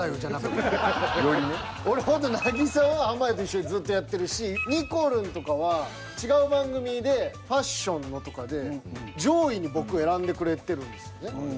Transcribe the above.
俺ほんと凪咲は濱家と一緒にずっとやってるし。にこるんとかは違う番組でファッションのとかで上位に僕を選んでくれてるんですよね。